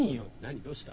どうした。